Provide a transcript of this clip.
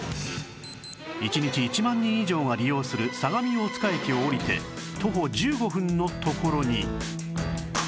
１日１万人以上が利用する相模大塚駅を下りて徒歩１５分のところに